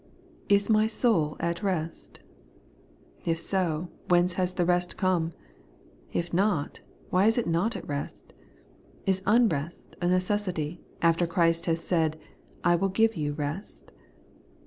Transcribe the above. Is my soul at rest ? If so, whence has the rest come ? If not, why is it not at rest ? Is unrest a necessity, after Christ has said, ' I will give you rest'?